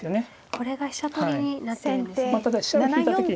これが飛車取りになっているんですね。